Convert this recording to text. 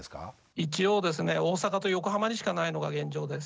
一応ですね大阪と横浜にしかないのが現状です。